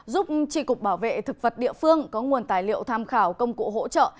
giúp tri cục bảo vệ thực vật địa phương có nguồn tài liệu tham khảo công cụ hỗ trợ